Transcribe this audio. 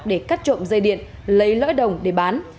để cắt trộm dây điện lấy lõi đồng để bán